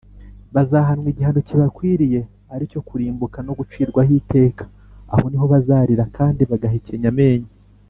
Bazahanwa igihano kibakwiriye ari cyo kurimbuka no gucirwaho iteka aho niho bazarira kandi bagahekenya amenyo.